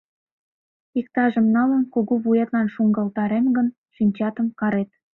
Иктажым налын, кугу вуетлан шуҥгалтарем гын, шинчатым карет!..